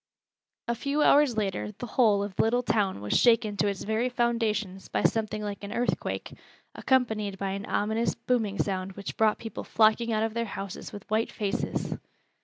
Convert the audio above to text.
A few hours later the whole of the little town was shaken to its very foundations by something like an earthquake, accompanied by an ominous, booming sound which brought people flocking out of their houses with white faces.